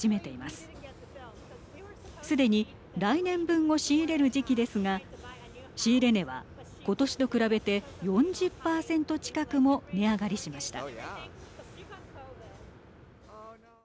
すでに来年分を仕入れる時期ですが仕入れ値は、今年と比べて４０％近くも値上がりしました。